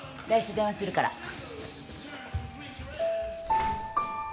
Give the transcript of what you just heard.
来週電話するから。